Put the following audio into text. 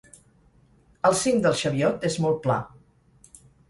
El cim del Cheviot és molt pla.